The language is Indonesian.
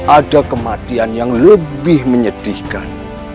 ada kematian yang lebih menyedihkan